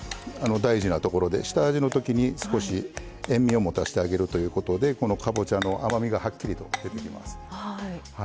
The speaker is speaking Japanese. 大事なところで下味の時に少し塩味を持たしてあげるということでこのかぼちゃの甘みがはっきりと出てきます。